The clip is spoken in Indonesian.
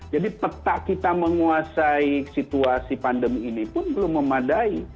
jadi peta kita menguasai situasi pandemi ini pun belum memadai